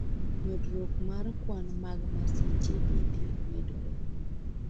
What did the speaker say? Medruok mar kwan mag masiche bende medore.